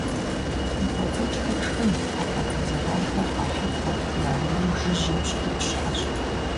ХъумпӀэцӀэджхэм шхын - хьэпӀацӀэ зэранхэр - къалъыхъуэу я «унэм» жыжьэу щыӀукӀ щыӀэщ.